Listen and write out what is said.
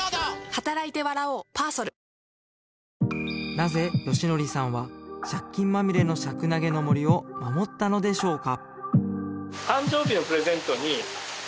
なぜ美紀さんは借金まみれのしゃくなげの森を守ったのでしょうか